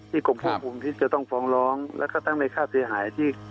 ที่กลมภาพมลพิษจะต้องฟองร้องแล้วก็ทั้งในค่าเสียหายที่